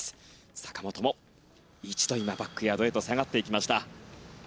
坂本も１度今、バックヤードへと下がっていきました。